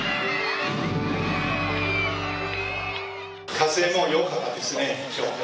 風もよかったですね、今日。